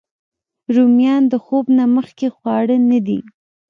رومیان د خوب نه مخکې خواړه نه دي